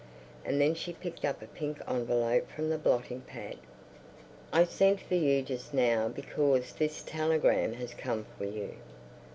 And then she picked up a pink envelope from the blotting pad. "I sent for you just now because this telegram has come for you."